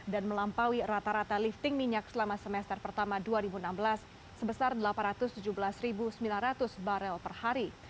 dan melampaui rata rata lifting minyak selama semester pertama dua ribu enam belas sebesar delapan ratus tujuh belas sembilan ratus barel per hari